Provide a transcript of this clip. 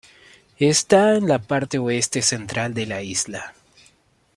Está en la parte oeste central de la isla.